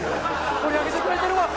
盛り上げてくれてるわ！